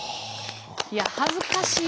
いや恥ずかしいな。